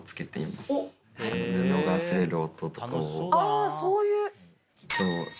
あそういう。